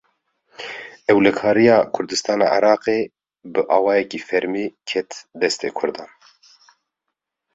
Ewlekariya Kurdistana Iraqê, bi awayekî fermî ket destê Kurdan